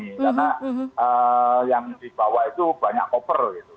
karena yang dibawa itu banyak koper gitu